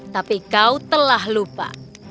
tapi kau telah lupa